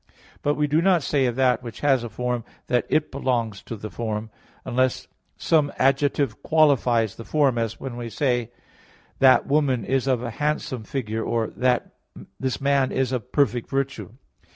But we do not say of that which has a form, that it belongs to the form, unless some adjective qualifies the form; as when we say: "That woman is of a handsome figure," or: "This man is of perfect virtue."